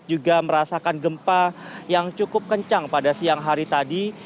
juga merasakan gempa yang cukup kencang pada siang hari tadi